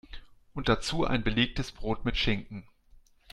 Und dazu ein belegtes Brot mit Schinken.